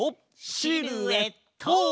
シルエット！